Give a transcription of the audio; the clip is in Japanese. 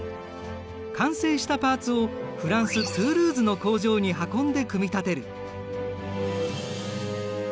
完成したパーツをフランストゥールーズの工場に運んで組み立てる。